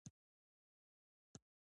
اقتصادي وده د ټولنیز پرمختګ نښه ده.